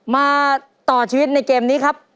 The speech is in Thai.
มาต่อชีวิตในเกมนี้ครับ